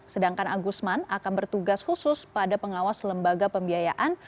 sedangkan agusman akan bertugas khusus pada pengawas lembaga pembiayaan